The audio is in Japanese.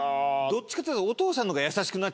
どっちかというと。